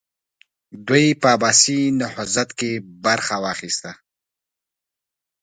دوی په عباسي نهضت کې برخه واخیسته.